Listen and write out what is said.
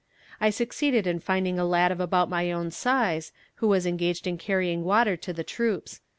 I succeeded in finding a lad of about my own size who was engaged in carrying water to the troops.